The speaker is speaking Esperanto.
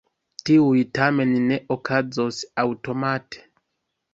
Tiuj tamen ne okazos aŭtomate.